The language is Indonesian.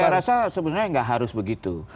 saya rasa sebenarnya nggak harus begitu